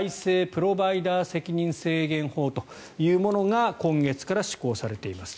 プロバイダ責任制限法というものが今月から施行されています。